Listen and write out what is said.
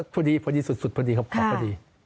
พอดีพอดีสุดพอดีครับของพอดี